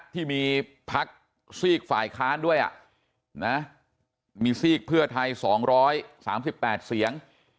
ที่มีพักซีกฝ่ายค้านด้วยอ่ะนะมีซีกเพื่อไทยสองร้อยสามสิบแปดเสียง